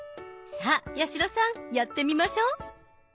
さあ八代さんやってみましょう。